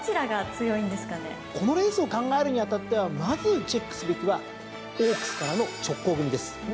このレースを考えるに当たってはまずチェックすべきはオークスからの直行組です。